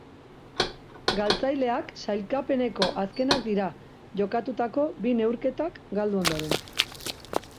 Galtzaileak sailkapeneko azkenak dira jokatutako bi neurketak galdu ondoren.